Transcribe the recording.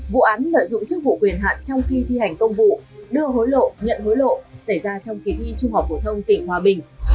vụ án lợi dụng chức vụ quyền hạn trong khi thi hành công vụ đưa hối lộ nhận hối lộ xảy ra trong kỳ thi trung học phổ thông tỉnh hòa bình